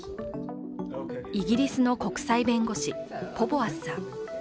イギリスの国際弁護士、ポヴォアスさん。